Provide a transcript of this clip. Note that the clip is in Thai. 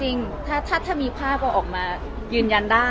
จริงถ้ามีภาพก็ออกมายืนยันได้